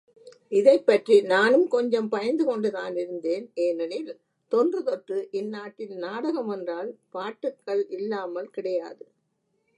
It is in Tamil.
இதைப்பற்றி நானும் கொஞ்சம் பயந்து கொண்டுதானிருந்தேன் ஏனெனில், தொன்றுதொட்டு இந்நாட்டில் நாடகம் என்றால், பாட்டுகளில்லாமல் கிடையாது.